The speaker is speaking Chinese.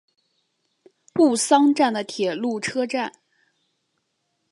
吾桑站的铁路车站。